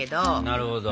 なるほど。